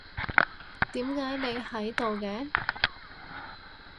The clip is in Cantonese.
點解你喺度嘅？